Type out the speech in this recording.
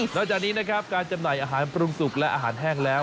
จากนี้นะครับการจำหน่ายอาหารปรุงสุกและอาหารแห้งแล้ว